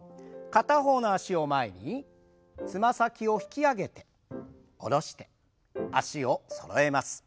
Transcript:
片方の脚を前につま先を引き上げて下ろして脚をそろえます。